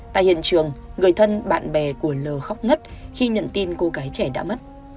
tại hiện trường người thân bạn bè của l khóc ngất khi nhận tin cô gái trẻ đã mất